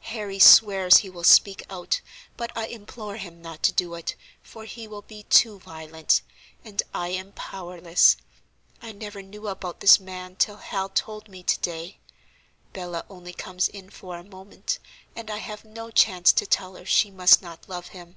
Harry swears he will speak out, but I implore him not to do it, for he will be too violent; and I am powerless. I never knew about this man till Hal told me to day. Bella only comes in for a moment, and I have no chance to tell her she must not love him."